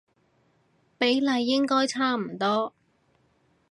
比例應該差唔多